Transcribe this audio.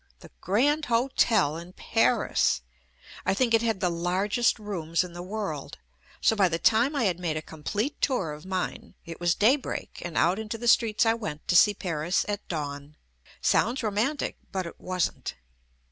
The Grand Hotel in Paris! I think it had the largest rooms in the world, so by the time I had made a complete tour of mine it was daybreak and out into the streets I went to see Paris at dawn. Sounds roman tic, but it wasn't.